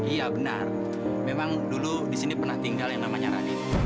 iya benar memang dulu di sini pernah tinggal yang namanya rani